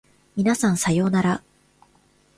皆さんさようなら